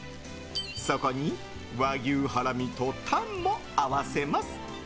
そこに和牛ハラミとタンも合わせます。